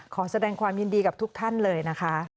ขอแสดงความยินดีกับทุกท่านเลยนะคะ